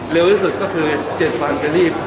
เร็วที่สุดก็คือ๗พันธุ์กระดิบ